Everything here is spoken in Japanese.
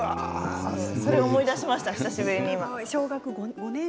それを思い出した、久しぶりに。